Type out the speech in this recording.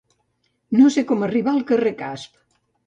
No sé com arribar al carrer Casp.